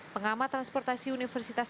pengamat transportasi universitas